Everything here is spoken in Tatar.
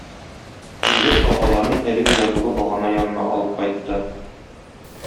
Егет агаларын әлеге язулы багана янына алып кайтты.